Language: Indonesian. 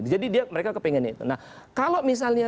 jadi mereka kepengen itu